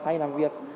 hay làm việc